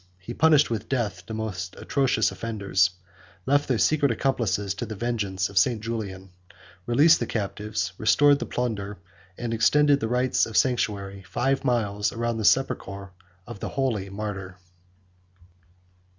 He punished with death the most atrocious offenders; left their secret accomplices to the vengeance of St. Julian; released the captives; restored the plunder; and extended the rights of sanctuary five miles round the sepulchre of the holy martyr.